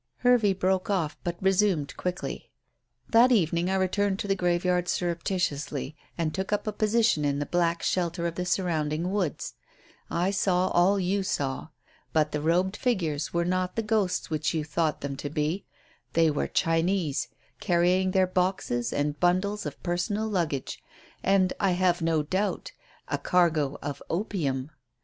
Hervey broke off, but resumed quickly. "That evening I returned to the graveyard surreptitiously, and took up a position in the black shelter of the surrounding woods. I saw all you saw. But the robed figures were not the ghosts which you thought them to be; they were Chinese, carrying their boxes and bundles of personal luggage, and, I have no doubt, a cargo of opium.